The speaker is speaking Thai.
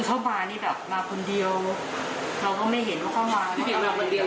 คุณเข้ามานี่แบบมาคนเดียวเราก็ไม่เห็นเขาเข้ามาไม่เห็นเขามาคนเดียว